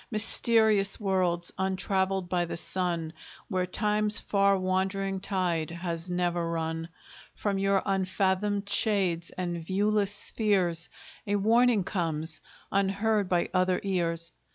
Mysterious worlds, untraveled by the sun! Where Time's far wandering tide has never run, From your unfathomed shades and viewless spheres, A warning comes, unheard by other ears.